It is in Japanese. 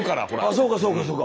そうかそうかそうか。